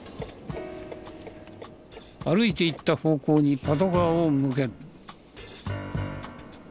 歩いていった方向にパトカーを向ける。